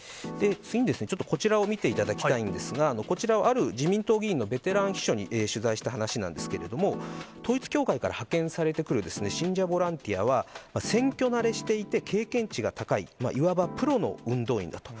次にこちらを見ていただきたいんですが、こちらはある自民党議員のベテラン秘書に取材した話なんですけれども、統一教会から派遣されてくる信者ボランティアは、選挙慣れしていて、経験値が高い、いわばプロの運動員だと。